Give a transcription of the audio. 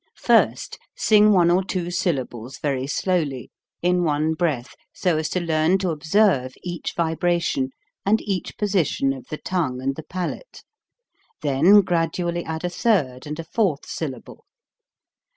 First sing one or two syllables very slowly, in one breath so as to learn to observe each vibration and each position of the tongue and the palate ; then gradually add a third and a fourth syllable.